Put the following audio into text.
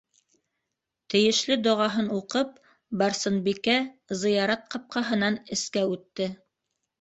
Тейешле доғаһын уҡып, Барсынбикә зыярат ҡапҡаһынан эскә үтте.